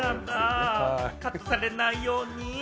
カットされないように。